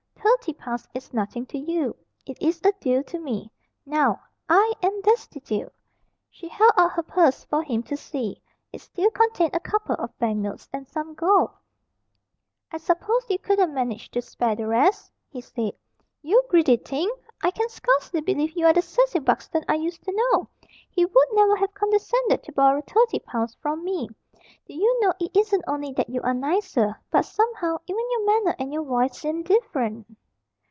Thirty pounds is nothing to you; it is a deal to me. Now I am destitute." She held out her purse for him to see. It still contained a couple of bank notes and some gold. "I suppose you couldn't manage to spare the rest?" he said. "You greedy thing! I can scarcely believe you are the Cecil Buxton I used to know he would never have condescended to borrow thirty pounds from me. Do you know, it isn't only that you are nicer, but, somehow, even your manner and your voice seem different."